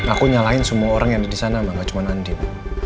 aku nyalain semua orang yang ada disana mbak gak cuman andin